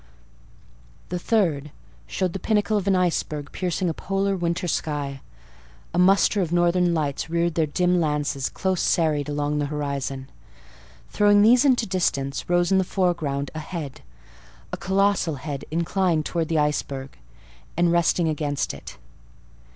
The third showed the pinnacle of an iceberg piercing a polar winter sky: a muster of northern lights reared their dim lances, close serried, along the horizon. Throwing these into distance, rose, in the foreground, a head,—a colossal head, inclined towards the iceberg, and resting against it.